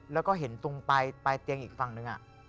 แล้วก็เห็นตรงปลายเตียงอีกฝั่งหนึ่ง